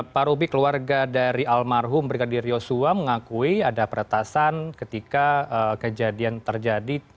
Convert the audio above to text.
pak rubi keluarga dari almarhum brigadir yosua mengakui ada peretasan ketika kejadian terjadi